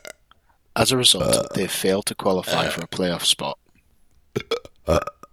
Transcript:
As a result, they failed to qualify for a playoff spot.